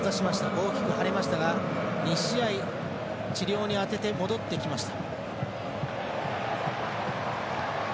大きく腫れましたが２試合、治療に当てて戻ってきました。